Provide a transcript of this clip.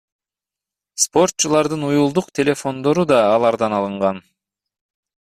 Спортчулардын уюлдук телефондору да алардан алынган.